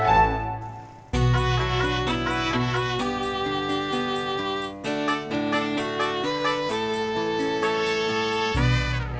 gak ada problema